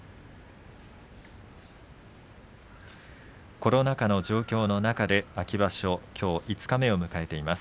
コロナ禍の状況の中で秋場所きょう五日目を迎えています。